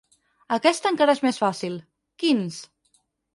Aquesta encara és més fàcil: quins?